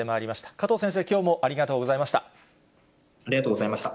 加藤先生、きょうもありがとうごありがとうございました。